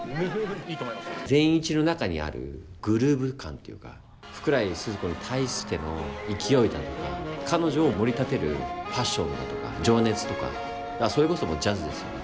善一の中にあるグルーヴ感というか福来スズ子に対しての勢いだとか彼女をもり立てるパッションだとか情熱とかそれこそジャズですよね